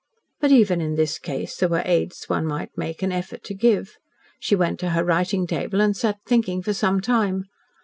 But even in this case there were aids one might make an effort to give. She went to her writing table and sat thinking for some time.